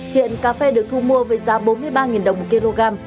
hiện cà phê được thu mua với giá bốn mươi ba đồng một kg